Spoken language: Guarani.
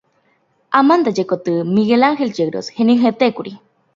Amandajekoty “Miguel Angel Yegros” henyhẽtékuri.